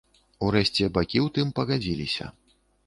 Урэшце бакі ў тым пагадзіліся.